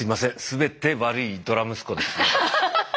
全て悪いドラ息子です。